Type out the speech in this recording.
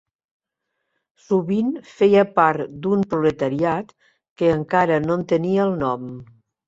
Sovint feia part d'un proletariat que encara no en tenia el nom.